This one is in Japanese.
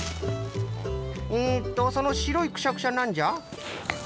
えっとそのしろいクシャクシャなんじゃ？